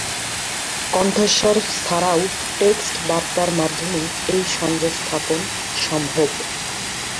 কন্ঠস্বর ছাড়াও টেক্সট বার্তার মাধ্যমেও এই সংযোগ স্থাপন সম্ভব।